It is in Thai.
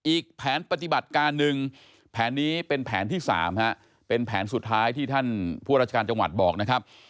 อีกแผนปฏิบัติการหนึ่งแผนนี้เป็นแผนที่๓เป็นแผนสุดท้ายที่ท่านผู้ราชการจังหวัดบอกนะครับ